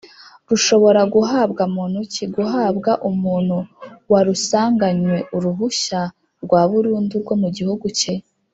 rushobora guhabwa muntuki? guhabwa umuntu warusanganywe Uruhushya rwa burundu rwo mugihugu cye